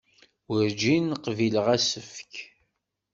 Werǧin qbileɣ asefk.